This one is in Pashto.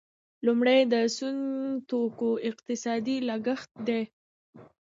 لومړی د سون توکو اقتصادي لګښت دی.